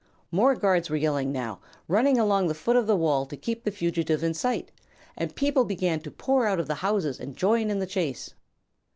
More guards were yelling, now, running along the foot of the wall to keep the fugitive in sight, and people began to pour out of the houses and join in the chase.